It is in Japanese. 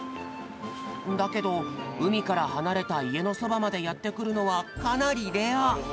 だけどうみからはなれたいえのそばまでやってくるのはかなりレア。